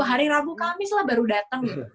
hari rabu kamis lah baru dateng